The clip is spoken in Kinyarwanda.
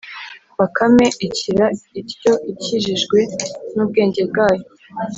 Bakame ikira ityo ikijijwe n' ubwenge bwayo